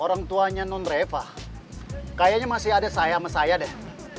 orang tuanya non reva kayaknya masih ada saya sama saya deh